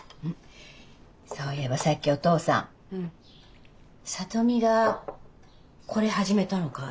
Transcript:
そういえばさっきおとうさん里美がこれ始めたのかって。